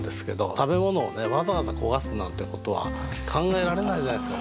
食べ物をねわざわざ焦がすなんてことは考えられないじゃないですか。